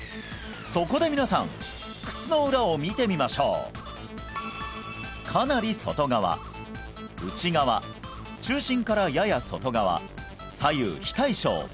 そこで皆さん靴の裏を見てみましょうかなり外側内側中心からやや外側左右非対称